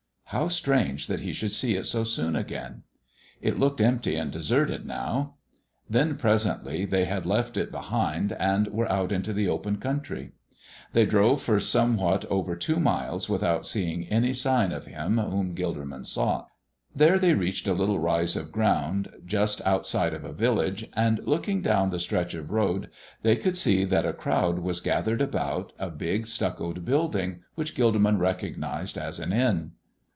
How strange that he should see it so soon again. It looked empty and deserted now. Then presently they had left it behind and were out into the open country. They drove for somewhat over two miles without seeing any sign of Him whom Gilderman sought. There they reached a little rise of ground just outside of a village, and, looking down the stretch of road, they could see that a crowd was gathered about a big stuccoed building, which Gilderman recognized as an inn.